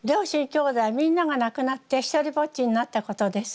きょうだいみんなが亡くなってひとりぼっちになったことです。